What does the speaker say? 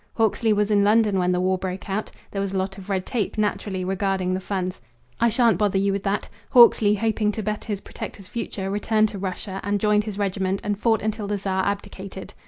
Hawksley was in London when the war broke out. There was a lot of red tape, naturally, regarding the funds. I shan't bother you with that, Hawksley, hoping to better his protector's future, returned to Russia and joined his regiment and fought until the Czar abdicated.